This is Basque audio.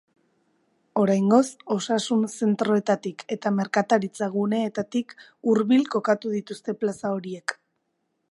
Oraingoz, osasun zentroetatik eta merkataritza guneetatik hurbil kokatu dituzte plaza horiek.